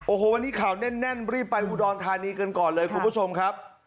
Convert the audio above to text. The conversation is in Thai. โอ้โหวันนี้ข่าวแน่นรีบไปอุดรธานีกันก่อนเลยคุณผู้ชมครับ